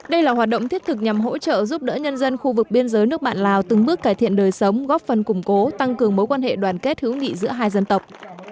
đây là hoạt động thiết thực nhằm hỗ trợ giúp đỡ nhân dân khu vực biên giới nước bạn lào từng bước cải thiện đời sống góp phần củng cố tăng cường mối quan hệ đoàn kết hữu nghị giữa hai dân tộc